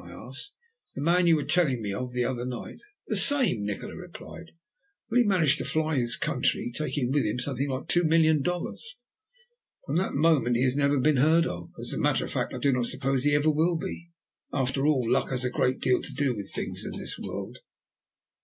I asked. "The man you were telling me of the other night." "The same," Nikola replied. "Well, he managed to fly his country, taking with him something like two million dollars. From that moment he has never been heard of, and as a matter of fact I do not suppose he ever will be. After all, luck has a great deal to do with things in this world."